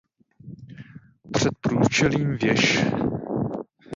Před průčelím věž.